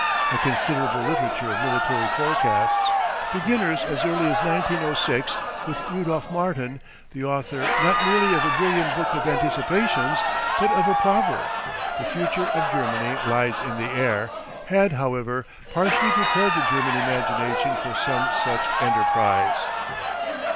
A considerable literature of military forecasts, beginning as early as 1906 with Rudolf Martin, the author not merely of a brilliant book of anticipations, but of a proverb, "The future of Germany lies in the air," had, however, partially prepared the German imagination for some such enterprise.